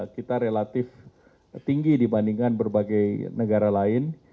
kita relatif tinggi dibandingkan berbagai negara lain